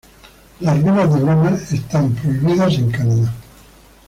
Las velas de broma están prohibidas en Canadá.